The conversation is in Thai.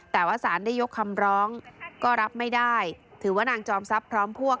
แต่ว่าสารได้ยกคำร้องก็รับไม่ได้ถือว่านางจอมทรัพย์พร้อมพวก